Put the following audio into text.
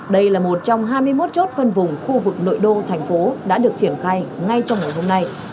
đây là một trong hai mươi một chốt phân vùng khu vực nội đô thành phố đã được triển khai ngay trong ngày hôm nay